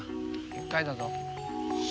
一回だぞ。